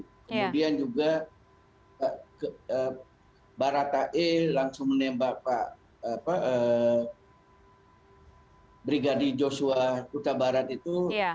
kemudian juga baratai langsung menembak brigadi joshua tabarat itu